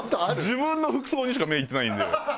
自分の服装にしか目いってないんで。